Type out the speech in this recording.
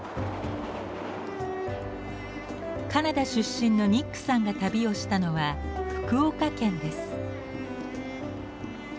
カナダ出身のニックさんが旅をしたのは福岡県です。